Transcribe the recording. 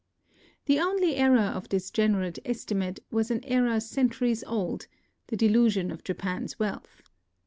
The only error of this generous estimate was an error centuries old, — the delusion of Japan's wealth.